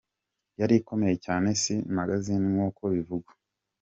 Yari ikomeye cyane si magasin nk’uko bivugwa.